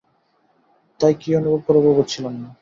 তাই, কী অনুভব করব বুঝছিলাম না।